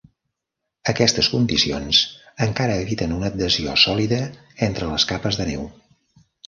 Aquestes condicions encara eviten una adhesió sòlida entre les capes de neu.